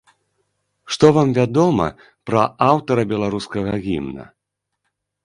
Што вам вядома пра аўтара беларускага гімна?